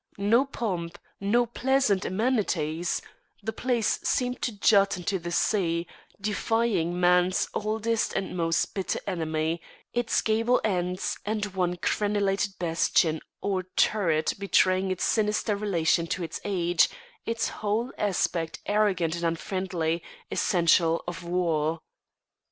No pomp, no pleasant amenities; the place seemed to jut into the sea, defying man's oldest and most bitter enemy, its gable ends and one crenelated bastion or turret betraying its sinister relation to its age, its whole aspect arrogant and unfriendly, essential of war.